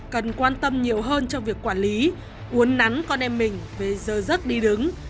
cần quan tâm nhiều hơn cho việc quản lý uốn nắn con em mình về giờ giấc đi đứng